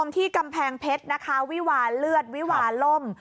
ที่กำแพงเพชรนะคะวิวาเลือดวิวาล่ม